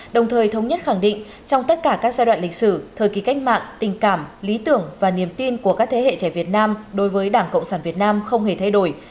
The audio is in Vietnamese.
đồng thời thống nhất khẳng định trong tất cả các giai đoạn lịch sử thời kỳ cách mạng tình cảm lý tưởng và niềm tin của các thế hệ trẻ việt nam đối với đảng cộng sản việt nam không hề thay đổi